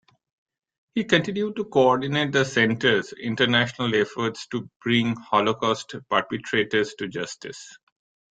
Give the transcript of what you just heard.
He continued to coordinate the center's international efforts to bring Holocaust perpetrators to justice.